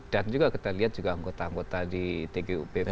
dan juga kita lihat juga anggota anggota di tgu pp